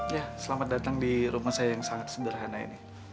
ya selamat datang di rumah saya yang sangat sederhana ini